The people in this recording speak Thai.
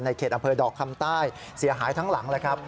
เขตอำเภอดอกคำใต้เสียหายทั้งหลังเลยครับ